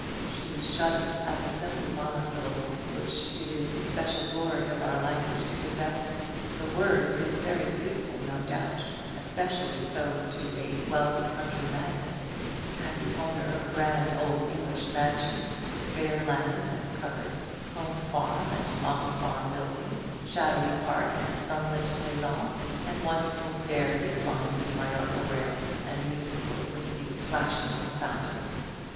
she shuddered at the simple monosyllable which it is the special glory of our language to possess. The word is very beautiful, no doubt; especially so to a wealthy country magnate, happy owner of a grand old English mansion, with fair lands and coverts, home farm and model farm buildings, shadowy park and sunlit pleasaunce, and wonderful dairies lined with majolica ware, and musical with the plashing of a fountain.